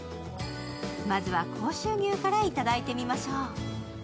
まずは甲州牛からいただいてみましょう。